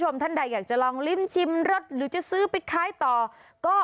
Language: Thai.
ท่านใดอยากจะลองลิ้มชิมรสหรือจะซื้อไปขายต่อก็